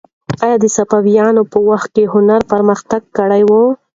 آیا د صفویانو په وخت کې هنر پرمختګ کړی و؟